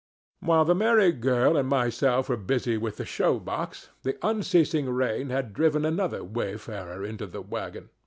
While the merry girl and myself were busy with the show box the unceasing rain had driven another wayfarer into the wagon.